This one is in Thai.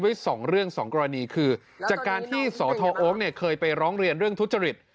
สองเรื่องสองกรณีคือจากการที่สทโอ๊คเคยไปร้องเรียนเรื่องทุจริต